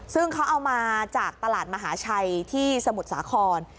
ซึ่งเขาเอามาจากตลาดมหาชัยที่สมุทรสาคร